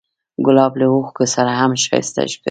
ګلاب له اوښکو سره هم ښایسته ښکاري.